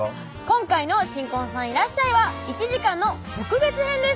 今回の新婚さんいらっしゃい！は１時間の特別編です